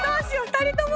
２人とも？